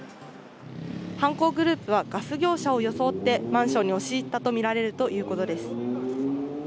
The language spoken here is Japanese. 犯行グループはガス業者を装ってマンションに押し入ったとみられるということです。